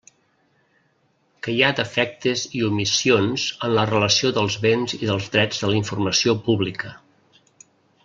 Que hi ha defectes i omissions en la relació dels béns i dels drets de la informació pública.